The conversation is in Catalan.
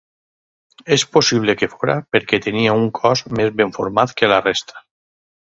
És possible que fóra perquè tenia un cos més ben format que la resta.